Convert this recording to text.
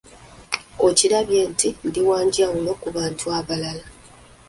Okirabye nti ndi wa njawulo ku bantu abalala.